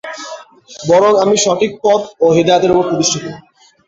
বরং আমি সঠিক পথ ও হিদায়াতের উপর প্রতিষ্ঠিত।